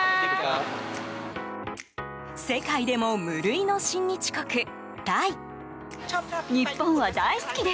世界でも無類の親日国、タイ。